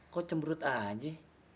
kok cemberut aja